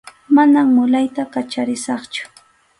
Manam mulayta kacharisaqchu.